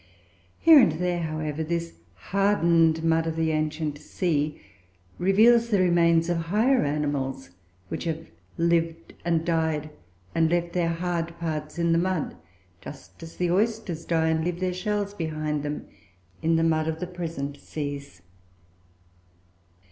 Here and there, however, this hardened mud of the ancient sea reveals the remains of higher animals which have lived and died, and left their hard parts in the mud, just as the oysters die and leave their shells behind them, in the mud of the present seas.